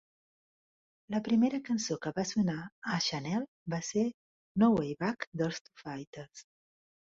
La primera cançó que va sonar a Channel va ser "No Way Back", dels Foo Fighters.